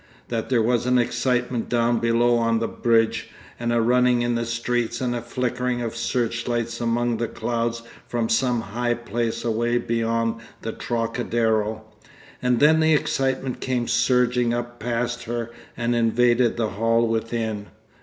That there was an excitement down below on the bridge and a running in the street and a flickering of searchlights among the clouds from some high place away beyond the Trocadero. And then the excitement came surging up past her and invaded the hall within.